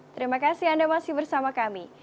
terima kasih anda masih bersama kami